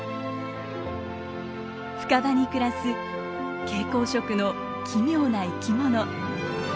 深場に暮らす蛍光色の奇妙な生きもの。